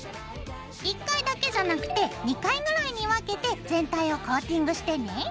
１回だけじゃなくて２回ぐらいに分けて全体をコーティングしてね。